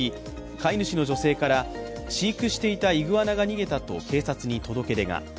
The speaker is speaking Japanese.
飼い主の女性から飼育していたイグアナが逃げたと警察に届け出が。